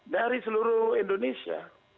dari seluruh indonesia